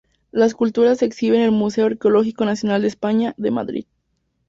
La escultura se exhibe en el Museo Arqueológico Nacional de España, de Madrid.